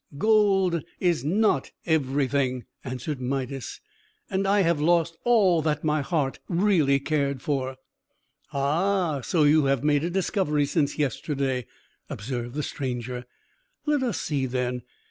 "Gold is not everything," answered Midas. "And I have lost all that my heart really cared for." "Ah! So you have made a discovery, since yesterday?" observed the stranger. "Let us see, then.